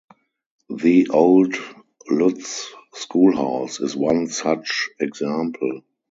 The Old Lutz Schoolhouse is one such example.